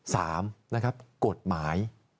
สามกฎหมาย